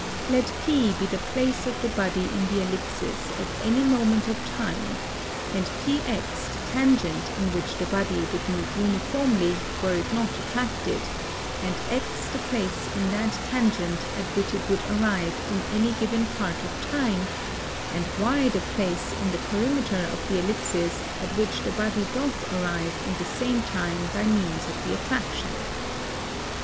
Let P be the place of the body in the Ellipsis at any moment of time & PX the tangent in which the body would move uniformly were it not attracted & X the place in that tangent at which it would arrive in any given part of time & Y the place in the perimeter of the Ellipsis at which the body doth arrive in the same time by means of the attraction.